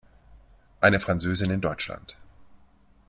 Eine Französin in Deutschland".